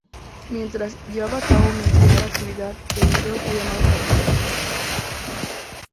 Mientras llevaba a cabo mencionada actividad, Eliseo fue llamado por Elías.